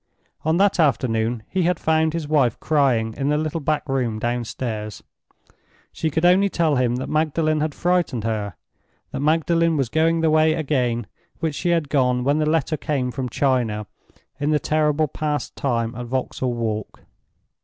On that afternoon he had found his wife crying in the little backroom down stairs. She could only tell him that Magdalen had frightened her—that Magdalen was going the way again which she had gone when the letter came from China in the terrible past time at Vauxhall Walk.